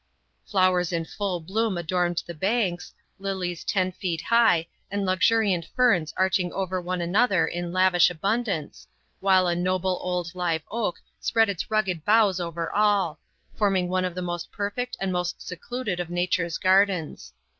Flowers in full bloom adorned the banks, lilies ten feet high, and luxuriant ferns arching over one another in lavish abundance, while a noble old live oak spread its rugged boughs over all, forming one of the most perfect and most secluded of Nature's gardens.